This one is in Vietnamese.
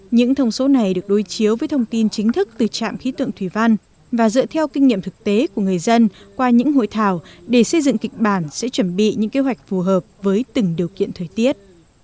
những thông số này được đối chiếu với thông tin chính thức từ trạm khí tượng thủy văn và dựa theo kinh nghiệm thực tế của người dân qua những hội thảo để xây dựng kịch bản sẽ chuẩn bị những kế hoạch phù hợp với từng điều kiện thời tiết